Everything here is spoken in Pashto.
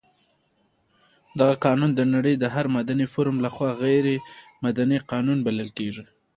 دغه قانون د نړۍ د هر مدني فورم لخوا غیر مدني قانون بلل شوی.